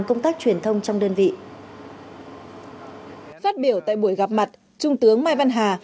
công tác truyền thông trong đơn vị phát biểu tại buổi gặp mặt trung tướng mai văn hà